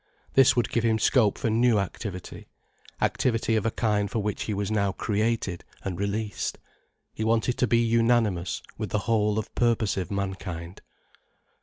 This would give him scope for new activity, activity of a kind for which he was now created and released. He wanted to be unanimous with the whole of purposive mankind.